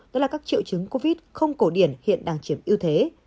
đó là các triệu chứng covid không cổ điển hiện đang chiếm ưu thế